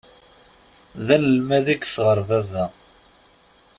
D anelmad i yesɣeṛ baba.